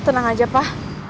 tenang aja pak